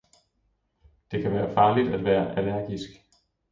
Det kan være farligt at være allergisk.